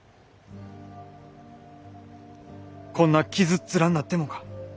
こんな傷っ面になってもか？